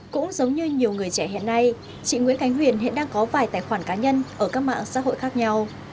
cũng giống như nhiều người trẻ hiện nay chị nguyễn khánh huyền hiện đang có vài tài khoản cá nhân ở các mạng xã hội khác nhau